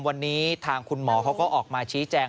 วันนี้ทางคุณหมอเขาก็ออกมาชี้แจง